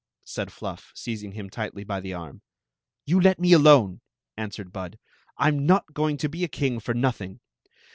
said Fluff, seizing him tightly by the arm. You let me donef* answered Bud I 'm not going to be a king for nothing.